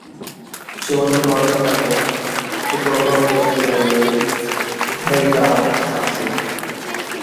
She was a concert pianist who performed using the name Hilda Saxe.